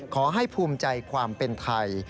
ขอให้ภูมิใจความเป็นไทย